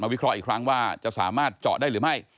วิเคราะห์อีกครั้งว่าจะสามารถเจาะได้หรือไม่